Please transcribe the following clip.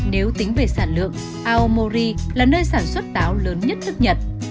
nếu tính về sản lượng aomori là nơi sản xuất táo lớn nhất nước nhật